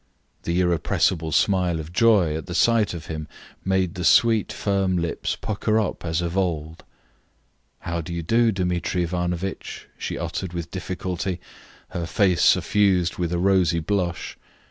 The irrepressible smile of joy at the sight of him made the sweet, firm lips pucker up as of old. "How do you do, Dmitri Ivanovitch?" she uttered with difficulty, her face suffused with a rosy blush.